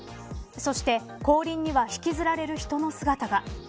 そして後輪には引きずられる人の姿が。